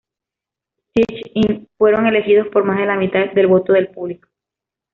Teach-In fueron elegidos por más de la mitad del voto del público.